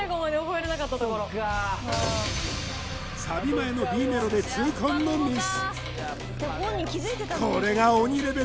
サビ前のＢメロで痛恨のミス